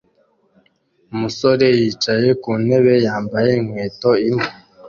Umusore yicaye ku ntebe yambaye inkweto imwe